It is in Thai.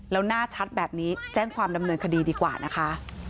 แล้วหน้าชัดแบบนี้แจ้งความดำเนินคดีดีกว่านะคะ